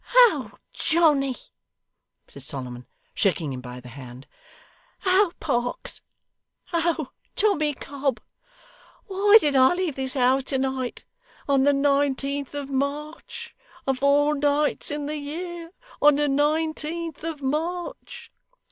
'Oh, Johnny,' said Solomon, shaking him by the hand. 'Oh, Parkes. Oh, Tommy Cobb. Why did I leave this house to night! On the nineteenth of March of all nights in the year, on the nineteenth of March!